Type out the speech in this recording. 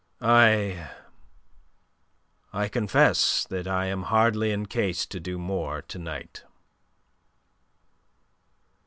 I... I confess that I am hardly in case to do more to night."